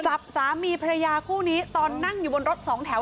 สามีภรรยาคู่นี้ตอนนั่งอยู่บนรถสองแถว